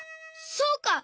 そうか！